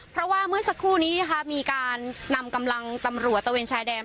เพราะว่าเมื่อสักครู่นี้นะคะมีการนำกำลังตำรวจตะเวนชายแดน